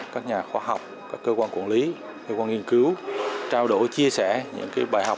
các nhà khoa học các cơ quan quản lý cơ quan nghiên cứu trao đổi chia sẻ những bài học